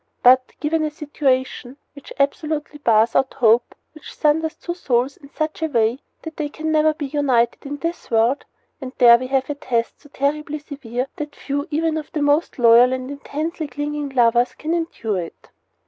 But, given a situation which absolutely bars out hope, which sunders two souls in such a way that they can never be united in this world, and there we have a test so terribly severe that few even of the most loyal and intensely clinging lovers can endure it.